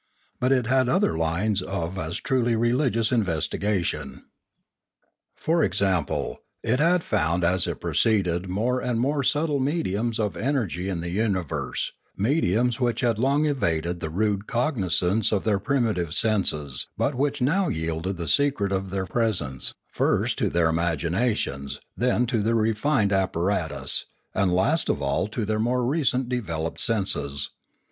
But it had other lines of as truly religious investigation. For example, it had found as it proceeded more and 682 Limanora more subtle mediums of energy in the universe, medi ums which had long evaded the rude cognisance of their primitive senses but which now yielded the secret of their presence, first to their imaginations, then to their refined apparatus, and last of all to their more recently developed senses.